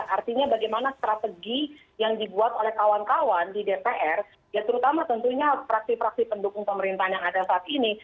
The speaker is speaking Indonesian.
artinya bagaimana strategi yang dibuat oleh kawan kawan di dpr ya terutama tentunya praksi praksi pendukung pemerintahan yang ada saat ini